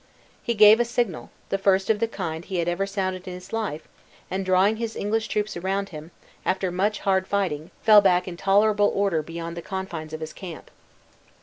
He gave a signal the first of the kind he had ever sounded in his life and drawing his English troops around him, after much hard fighting, fell back in tolerable order beyond the confines of his camp.